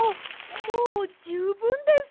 もうじゅうぶんです。